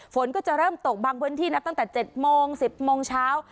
ฝนก็จะเริ่มตกบางพื้นที่นับตั้งแต่๗โมง๑๐โมงเช้า